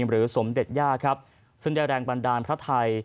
หรือสมเด็จย่าครับซึ่งได้แรงบันดาลพระไทย